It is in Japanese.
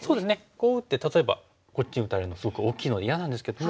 こう打って例えばこっち打たれるのすごく大きいので嫌なんですけども。